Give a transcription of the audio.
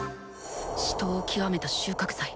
死闘を極めた収穫祭